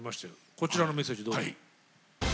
こちらのメッセージどうぞ。